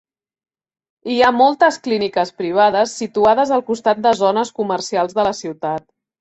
Hi ha moltes clíniques privades situades al costat de zones comercials de la ciutat.